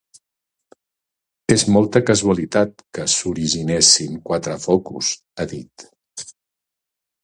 És molta casualitat que s’originessin quatre focus, ha dit.